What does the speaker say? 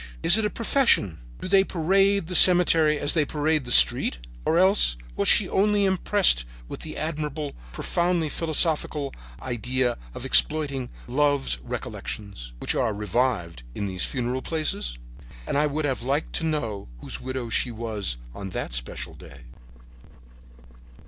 Is it a profession? Do they parade the cemetery as they parade the street? Or else was she only impressed with the admirable, profoundly philosophical idea of exploiting love recollections, which are revived in these funereal places? "And I would have liked to know whose widow she was on that special day."